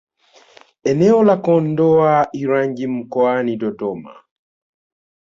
Eneo la Kondoa Irangi mkoani Dodoma